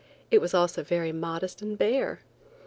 It was also very modest and bare.